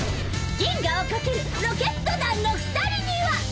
銀河を駆けるロケット団の２人には。